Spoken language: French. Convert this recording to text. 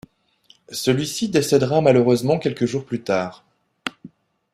Celui-ci décédera malheureusement quelques jours plus tard.